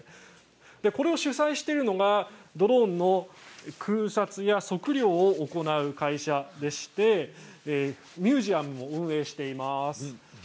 主催しているのがドローンの空撮や測量を行う会社でしてミュージアムも運営しています。